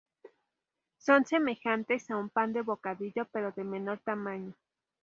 Son semejantes a un pan de bocadillo pero de menor tamaño.